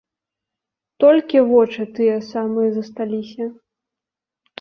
Толькі вочы тыя самыя засталіся.